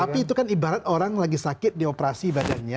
tapi itu kan ibarat orang lagi sakit di operasi badannya